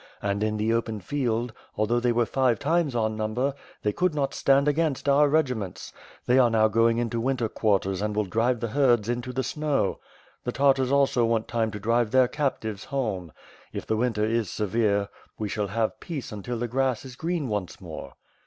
And in the open field, although they were five times our number, they could not stand against our regiments. They are now going into winter quarters and will drive the herds into the snow. The Tartars also want time to drive their captives home. If the winter is severe, we shall have peace until the grass is green once more.''